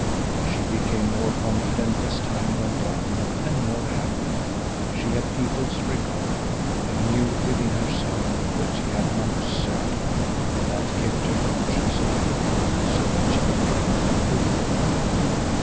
She became more confident as time went on and more happy. She had people's regard, and knew within herself that she had not deserved it. That kept her conscience awake, so that she became a good woman.